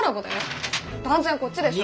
断然こっちでしょ！